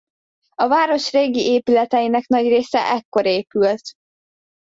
A város régi épületeinek nagy része ekkor épült.